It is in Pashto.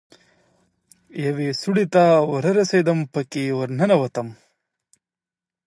يوې سوړې ته ورسېدم پکښې ورننوتم.